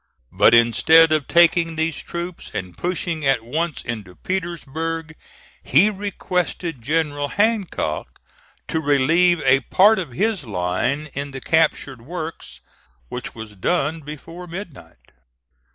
But instead of taking these troops and pushing at once into Petersburg, he requested General Hancock to relieve a part of his line in the captured works, which was done before midnight.